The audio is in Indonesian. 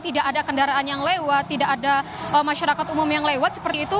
tidak ada kendaraan yang lewat tidak ada masyarakat umum yang lewat seperti itu